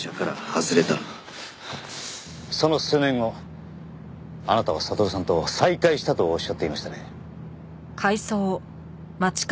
その数年後あなたは悟さんと再会したとおっしゃっていましたね。